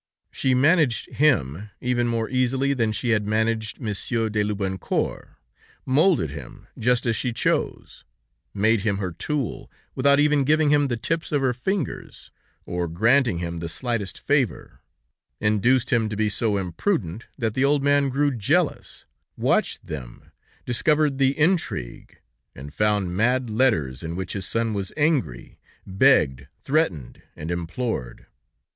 She managed him even more easily than she had managed Monsieur de Loubancourt, molded him just as she chose; made him her tool, without even giving him the tips of her fingers, or granting him the slightest favor, induced him to be so imprudent, that the old man grew jealous, watched them, discovered the intrigue, and found mad letters in which his son was angry, begged, threatened and implored.